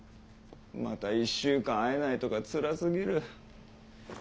また１週間会えないとかつらすぎる。